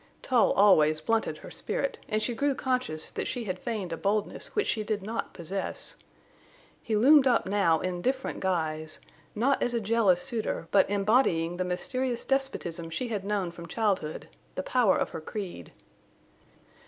Tull always blunted her spirit, and she grew conscious that she had feigned a boldness which she did not possess. He loomed up now in different guise, not as a jealous suitor, but embodying the mysterious despotism she had known from childhood—the power of her creed.